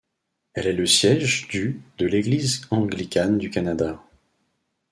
Elle est le siège du de l’Église anglicane du Canada.